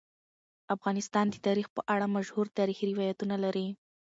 افغانستان د تاریخ په اړه مشهور تاریخی روایتونه لري.